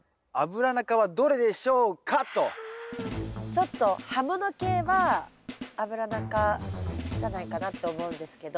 ちょっと葉もの系はアブラナ科じゃないかなって思うんですけど。